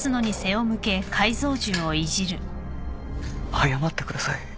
謝ってください。